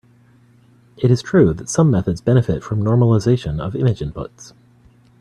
It is true that some methods benefit from normalization of image inputs.